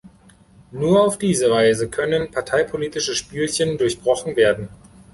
Nur auf diese Weise können parteipolitische Spielchen durchbrochen werden.